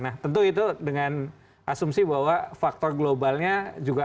nah tentu itu dengan asumsi bahwa faktor globalnya juga